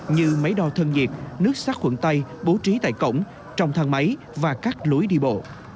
như máy đo thân nhiệt nước sát khuẩn tay bố trí tại cổng trong thang máy và các lối đi bộ